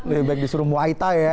lebih baik disuruh muaita ya